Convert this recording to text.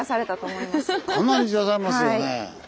かなりじらされますよね。